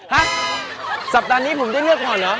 ฮะสัปดาห์นี้ผมได้เลือกก่อนเหรอ